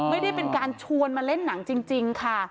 ไม่ได้เป็นการชวนมาเล่นหนังจริงค่ะ